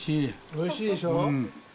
おいしいでしょ？